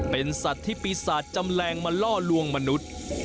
เป็นสัตว์ที่ปีศาจจำแรงมาล่อลวงมนุษย์